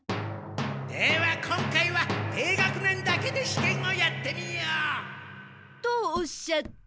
では今回は低学年だけで試験をやってみよう！とおっしゃって。